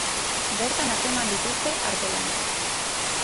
Bertan atzeman dituzte artelanak.